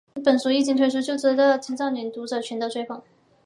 本书一经推出就获得了青少年读者群的追捧。